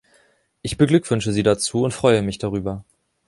Ich beglückwünsche Sie dazu und freue mich darüber.